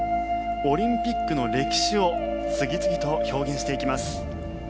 オリンピックの歴史を次々と表現していきます。